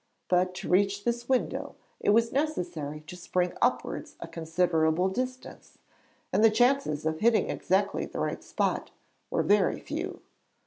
But to reach this window it was necessary to spring upwards a considerable distance, and the chances of hitting exactly the right spot were very few.